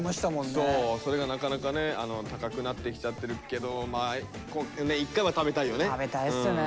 そうそれがなかなかね高くなってきちゃってるけど食べたいっすね